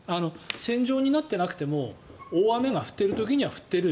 線状になってなくても大雨が降っている時には降っている。